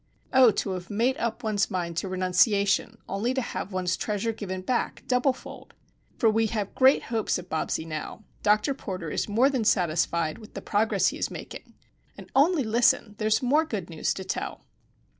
Oh, to have made up one's mind to renunciation, only to have one's treasure given back double fold! For we have great hopes of Bobsie now; Dr. Porter is more than satisfied with the progress he is making; and only listen,—there's more good news to tell!